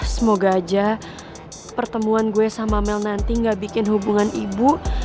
semoga aja pertemuan gue sama mel nanti gak bikin hubungan ibu